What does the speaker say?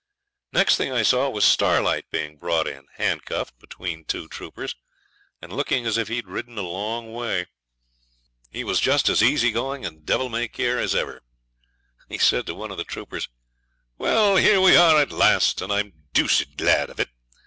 Next thing I saw was Starlight being brought in, handcuffed, between two troopers, and looking as if he'd ridden a long way. He was just as easy going and devil may care as ever. He said to one of the troopers 'Here we are at last, and I'm deuced glad of it.